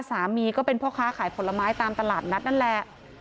สามีก็เป็นพ่อค้าขายผลไม้ตามตลาดนัดนั่นแหละ